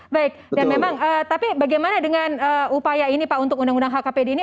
baik dan memang tapi bagaimana dengan upaya ini pak untuk undang undang hkpd ini